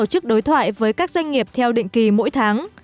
thành phố tổ chức đối thoại với các doanh nghiệp theo định kỳ mỗi tháng